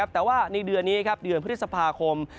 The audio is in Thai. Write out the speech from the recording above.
แต่ว่าในเดือนนี้ครับเดือนพฤษภาคม